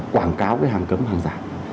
quảng cáo hàng cấm hàng giảm